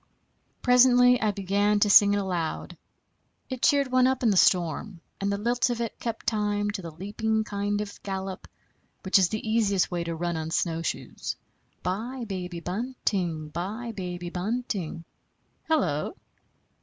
Presently I began to sing it aloud. It cheered one up in the storm, and the lilt of it kept time to the leaping kind of gallop which is the easiest way to run on snowshoes: "Bye, baby bunting; bye, baby bunting Hello!"